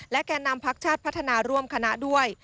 แก่นำพักชาติพัฒนาร่วมคณะด้วย